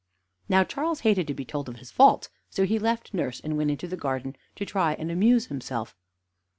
Now, Charles hated to be told of his faults, so he left nurse, and went into the garden to try and amuse himself.